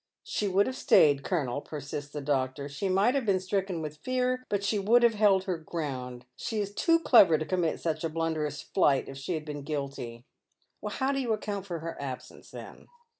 " She would have stayed, colonel," persists the doctor. " She might have been stricken with fear, but she would have held her gi'ound. She is too clever to commit such a blunder as flight if she had been guilty." " TIow do you account for her absence, then?